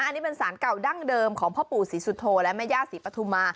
อันนี้เป็นสารเก่าดั้งเดิมของพ่อปู่ศรีสุโธและแม่ย่าศรีปฐุมา